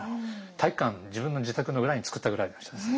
体育館自分の自宅の裏につくったぐらいの人です。